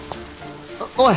おい。